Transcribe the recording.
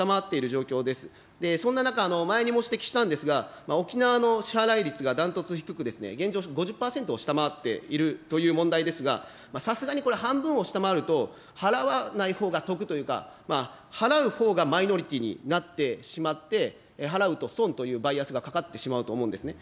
そんな中、前にも指摘したんですが、沖縄の支払い率が断トツ低くですね、現状５０％を下回っているという問題ですが、さすがにこれ、半分を下回ると、払わないほうが得というか、払うほうがマイノリティになってしまって、払うと損というバイアスがかかってしまうと思うんですね。